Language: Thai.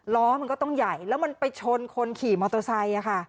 ล้อมันก็ต้องใหญ่แล้วมันไปชนคนขี่มอเตอร์ไซค์ค่ะ